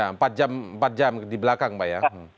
ya empat jam empat jam di belakang pak ya